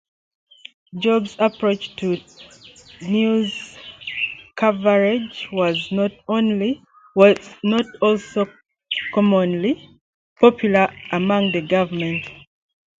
Jacob's approach to news coverage was not always popular with the government.